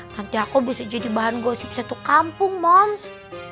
nanti aku bisa jadi bahan gosip satu kampung mons